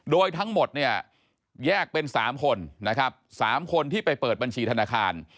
โดยทั้งหมดเนี่ยแยกเป็น๓คนนะครับ๓คนที่ไปเปิดบัญชีธนาคาร